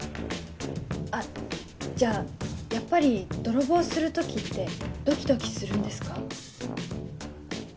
あっじゃあやっぱり泥棒する時ってドキドキするんですか？